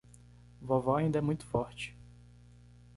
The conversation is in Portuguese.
Vovó ainda é muito forte